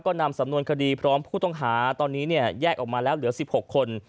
ก็นำสำนวนคดีพร้อมผู้ต้องหาตอนนี้เนี่ยแยกออกมาแล้วเหลือ๑๖คน